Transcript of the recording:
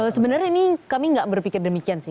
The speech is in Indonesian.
sebenarnya ini kami nggak berpikir demikian sih